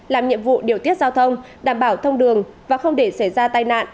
làm nhiệm vụ điều tiết giao thông đảm bảo thông đường và không để xảy ra tai nạn